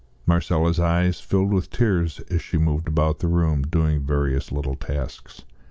Marcella's eyes filled with tears as she moved about the room, doing various little tasks.